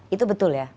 itu betul ya